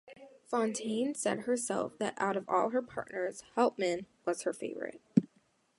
Fonteyn said herself that out of all her partners, Helpmann was her favourite.